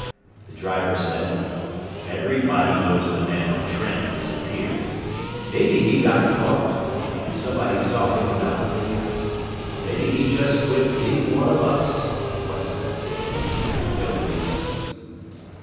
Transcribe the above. The driver said, "Everybody knows the man on Trent disappeared. Maybe he got caught, maybe somebody saw him without make up. Or maybe he just quit being one of us. What's the difference? No use!"